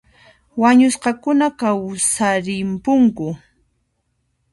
Wañusqakuna kawsarimpunku